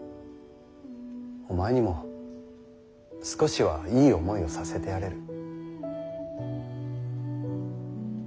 お前にも少しはいい思いをさせてやれる。